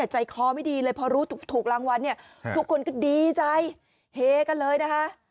ใจคอไม่ดีเลยพอรู้ถูกรางวัลเนี่ยทุกคนก็ดีใจเฮกันเลยนะคะ